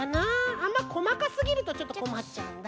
あんまこまかすぎるとちょっとこまっちゃうんだ。